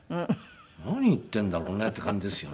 何言っているんだろうねっていう感じですよね。